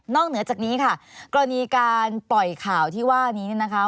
เหนือจากนี้ค่ะกรณีการปล่อยข่าวที่ว่านี้เนี่ยนะคะ